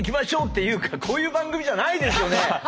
っていうかこういう番組じゃないですよね。